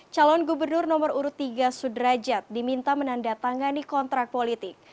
calon gubernur nomor urut tiga sudrajat diminta menandatangani kontrak politik